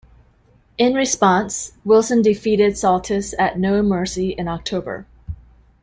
In response, Wilson defeated Psaltis at No Mercy in October.